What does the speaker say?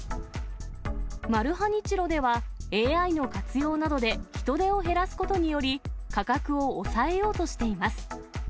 マルハニチロでは、ＡＩの活用などで人手を減らすことにより、価格を抑えようとしています。